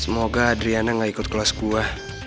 semoga adriana gak ikut kelas gua